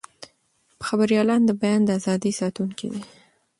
خبریالان د بیان د ازادۍ ساتونکي دي.